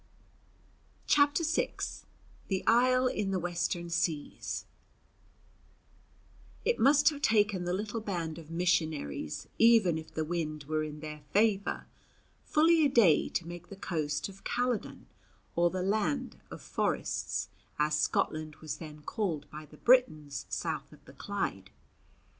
CHAPTER VI THE ISLE IN THE WESTERN SEAS IT must have taken the little band of missionaries, even if the wind were in their favour, fully a day to make the coast of "Calyddon" or "the Land of Forests," as Scotland was then called by the Britons south of the Clyde.